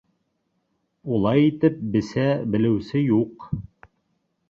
Улай итеп бесә белеүсе юҡ.